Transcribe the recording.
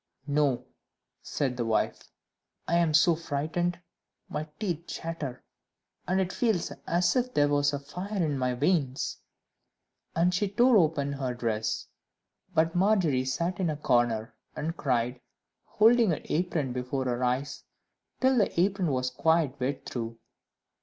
"No," said the wife; "I am so frightened, my teeth chatter, and it feels as if there was a fire in my veins;" and she tore open her dress. But Margery sat in a corner, and cried, holding her apron before her eyes, till the apron was quite wet through.